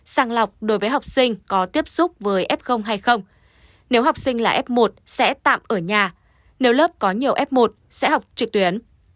sàng lọc đối với học sinh có tiếp xúc với f hay nếu học sinh là f một sẽ tạm ở nhà nếu lớp có nhiều f một sẽ học trực tuyến